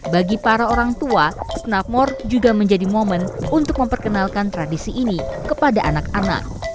bagi para orang tua snapmore juga menjadi momen untuk memperkenalkan tradisi ini kepada anak anak